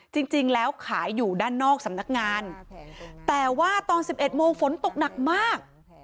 จริงแล้วขายอยู่ด้านนอกสำนักงานแต่ว่าตอน๑๑โมงฝนตกหนักมาก